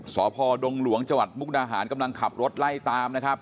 สพดงหลวงจังหวัดมุกดาหารกำลังขับรถไล่ตามนะครับ